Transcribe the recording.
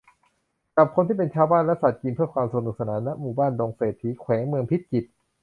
จับคนที่เป็นชาวบ้านและสัตว์กินเพื่อความสนุกสนาน ณ หมู่บ้านดงเศรษฐี แขวงเมืองพิจิตร